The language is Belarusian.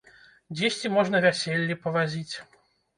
Дзесьці можна вяселлі павазіць.